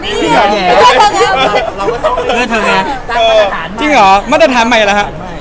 ที่หรอมาตรฐานใหม่ล่ะ